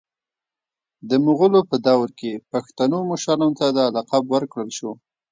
د مغولو په دور کي پښتنو مشرانو ته دا لقب ورکړل سو